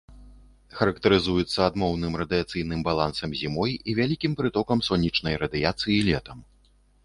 Характарызуецца адмоўным радыяцыйным балансам зімой і вялікім прытокам сонечнай радыяцыі летам.